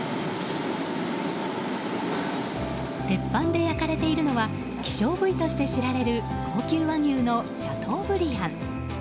鉄板で焼かれているのは希少部位として知られる高級和牛のシャトーブリアン。